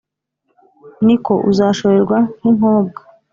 ni ko uzashorerwa nk’inkobwa,